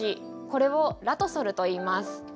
これをラトソルといいます。